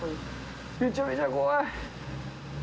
めちゃめちゃ怖い。